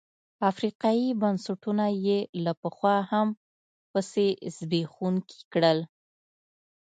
افریقايي بنسټونه یې له پخوا هم پسې زبېښونکي کړل.